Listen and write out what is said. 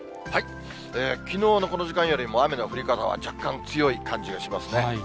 きのうのこの時間よりも雨の降り方は、若干、強い感じがしますね。